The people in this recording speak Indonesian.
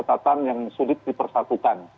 catatan yang sulit dipersatukan